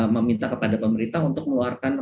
meminta kepada pemerintah untuk mengeluarkan